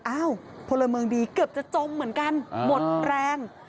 พลเมืองดีเกือบจะจมเหมือนกันหมดแรง